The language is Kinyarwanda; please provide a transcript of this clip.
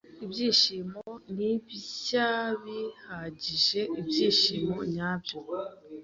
Ibyishimo ni iby'abihagije Ibyishimo nyabyo.